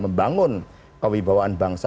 membangun kewibawaan bangsa